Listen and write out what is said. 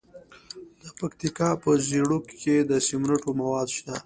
د پکتیکا په زیروک کې د سمنټو مواد شته.